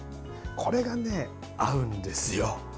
これがね合うんですよ。